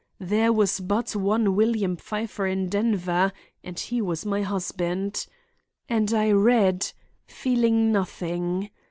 There was but one William Pfeiffer in Denver—and he was my husband. And I read—feeling nothing.